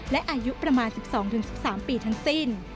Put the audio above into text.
และอายุประมาณ๑๒๑๓ปีทั้งสิ้น